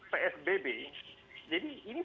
psbb jadi ini